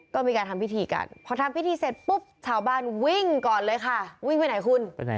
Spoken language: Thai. ก็มีการทำพิธีกันพอทำพิธีเสร็จปุ๊บชาวบ้านวิ่งก่อนเลยค่ะวิ่งไปไหนคุณ